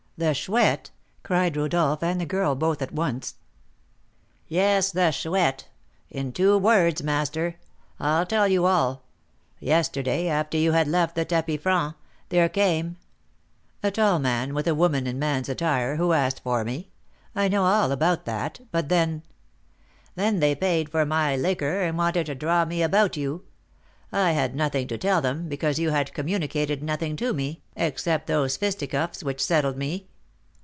"The Chouette!" cried Rodolph and the girl both at once. "Yes, the Chouette; in two words, master, I'll tell you all. Yesterday, after you had left the tapis franc, there came " "A tall man with a woman in man's attire, who asked for me; I know all about that, but then " "Then they paid for my liquor, and wanted to 'draw' me about you. I had nothing to tell them, because you had communicated nothing to me, except those fisticuffs which settled me.